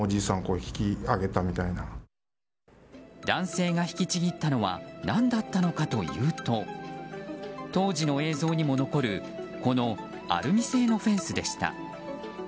男性が引きちぎったのは何だったのかというと当時の映像にも残るこのアルミ製のフェンスでした。